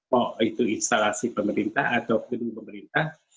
mau itu instalasi pemerintah atau penyelenggara pemerintah